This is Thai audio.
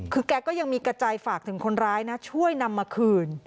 คือแกก็ยังมีกระจายฝากถึงคนร้ายนะช่วยนำมาคืน